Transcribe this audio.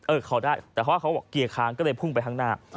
เออเขาได้แต่เขาว่าเกียร์ค้างก็เลยพุ่งไปข้างหน้า